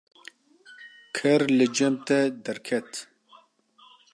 ker li cem te derket.